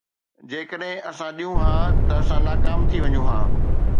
جيڪڏهن اسان ڏيون ها ته اسان ناڪام ٿي وڃون ها